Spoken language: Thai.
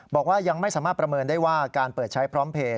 บอกว่ายังไม่สามารถประเมินได้ว่าการเปิดใช้พร้อมเพลย